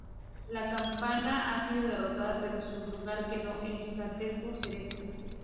La campana ha sido derrotada, pero en su lugar quedó un gigantesco cerezo.